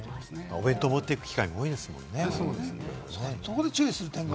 お弁当を持って行く機会が多いですもんね。